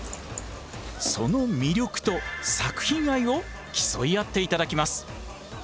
その魅力と作品愛を競い合って頂きます。